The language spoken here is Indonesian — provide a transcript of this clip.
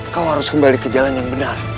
kau harus kembali ke jalan yang benar